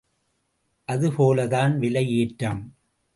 அதுபோலத்தான் விலை ஏற்றம்!